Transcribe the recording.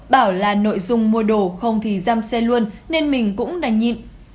bảo là nội dung mua đồ không thì giam xe luôn nên mình cũng đành nhịn